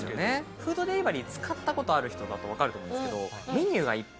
フードデリバリー使ったことある人だと分かると思うんですけど。